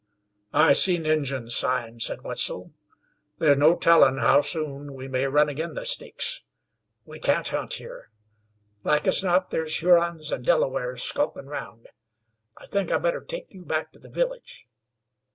"I seen Injun sign," said Wetzel. "There's no tellin' how soon we may run agin the sneaks. We can't hunt here. Like as not there's Hurons and Delawares skulkin' round. I think I'd better take you back to the village."